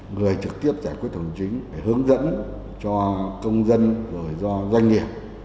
người trực tiếp giải quyết hình chính hướng dẫn cho công dân do doanh nghiệp